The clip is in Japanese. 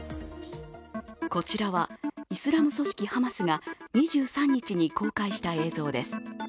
こちらは、イスラム組織ハマスが２３日に公開した映像です。